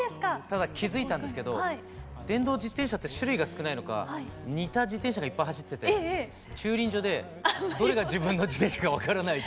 ただ気付いたんですけど電動自転車って種類が少ないのか似た自転車がいっぱい走ってて駐輪場でどれが自分の自転車か分からないっていうね。